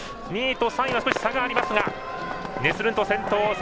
２位と３位は少し差がありますがネスルント先頭。